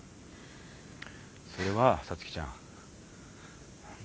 それは皐月ちゃん